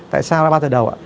tại sao là ba giờ đầu